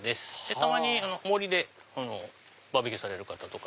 たまに森でバーベキューされる方とか。